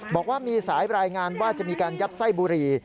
บอกว่ามีสายรายงานว่าจะมีการยัดไส้บุหรี่